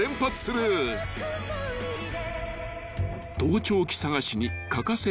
［盗聴器探しに欠かせないのが］